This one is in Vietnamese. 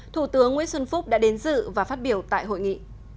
thủ tướng nguyễn xuân phúc đã đến dự và phát biểu tại hội nghị